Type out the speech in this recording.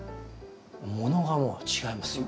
ものがもう違いますよ。